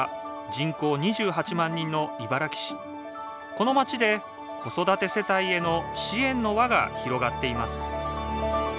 この街で子育て世帯への支援の輪が広がっています